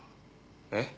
えっ？